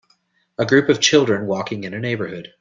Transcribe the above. A group of children walking in a neighborhood.